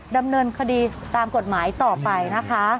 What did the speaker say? ดำเนินคดีตามกฎหมายต่อไปนะคะ